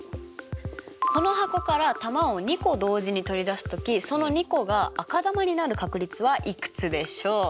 この箱から球を２個同時に取り出す時その２個が赤球になる確率はいくつでしょう？